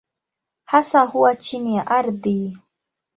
Hasa huwa chini ya ardhi.